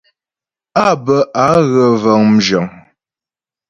Á bə á gə vəŋ mzhəŋ (wagons).